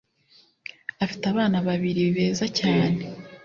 Afite abana babiri beza cyane